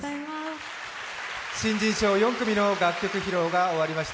新人賞４組の楽曲披露が終わりました。